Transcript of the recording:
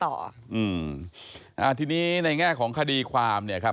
อืมอ่าทีนี้ในแง่ของคดีความเนี่ยครับ